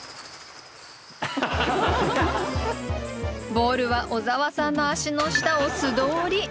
ボールは小沢さんの足の下を素通り。